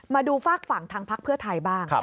มาดูฝากฝั่งทางพักเพื่อไทยบ้าง